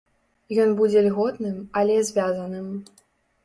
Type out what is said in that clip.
Ён будзе льготным, але звязаным.